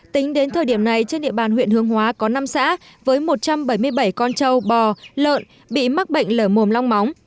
tính đến thời điểm này trên địa bàn huyện hương hóa có năm xã với một trăm bảy mươi bảy con trâu bò lợn bị mắc bệnh lở mồm long móng